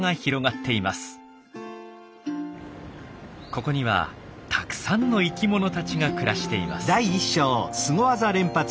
ここにはたくさんの生きものたちが暮らしています。